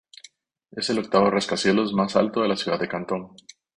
Es el octavo rascacielos más alto de la ciudad de Cantón.